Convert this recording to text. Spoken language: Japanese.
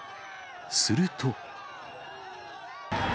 すると。